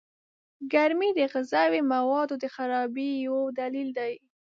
گرمي د غذايي موادو د خرابۍ يو دليل دئ.